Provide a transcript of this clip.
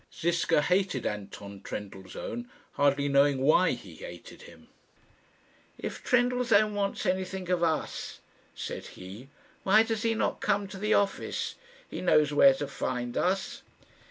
Ziska hated Anton Trendellsohn, hardly knowing why he hated him. "If Trendellsohn wants anything of us," said he, "why does he not come to the office? He knows where to find us."